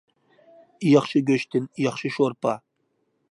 ياخشى گۆشتىن ياخشى شورپا.